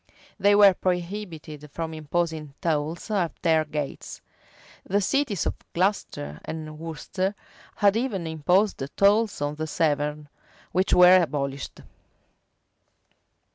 [*] They were prohibited from imposing tolls at their [] The cities of Glocester and Worcester had even imposed tolls on the Severn, which were abolished.